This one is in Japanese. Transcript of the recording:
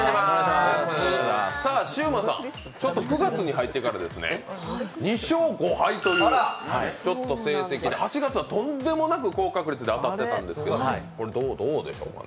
シウマさん、ちょっと９月に入ってから２勝５敗という成績で、８月はとんでもない高確率で当たってたんですけど、これ、どうでしょうかね。